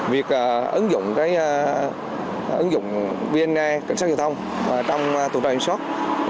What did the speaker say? việc ứng dụng vn cảnh sát giao thông trong tuần tra kiểm soát